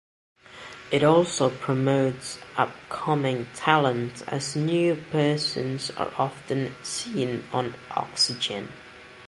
It also promotes upcoming talent as new persons are often seen on Oxygene.